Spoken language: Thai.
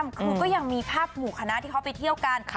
คือก็ยังมีภาพหมู่คณะที่เขาไปเที่ยวกัน